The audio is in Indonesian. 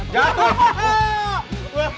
jatuh nih jatuh nih